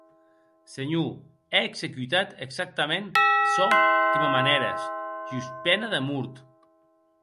Senhor, è executat exactament çò que me manères jos pena de mort.